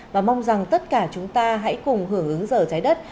và mong rằng tất cả chúng ta hãy cùng hưởng ứng giờ trái đất